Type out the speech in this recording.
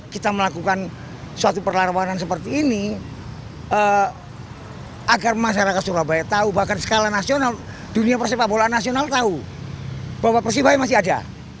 kita melakukan suatu perlawanan seperti ini agar masyarakat surabaya tahu bahkan skala nasional dunia persepak bola nasional tahu bahwa persebaya masih ada